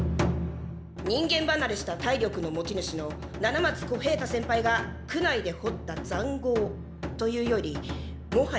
人間ばなれした体力の持ち主の七松小平太先輩が苦無でほったざんごうというよりもはや地下通路！